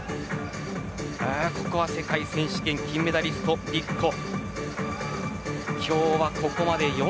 ここは世界選手権金メダリストディッコ。